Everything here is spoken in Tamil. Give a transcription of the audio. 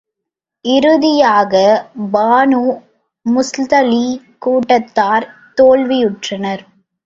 இறுதியாக, பனூ முஸ்தலிக் கூட்டத்தார் தோல்வியுற்றனர்.